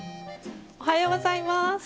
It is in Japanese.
おはようございます。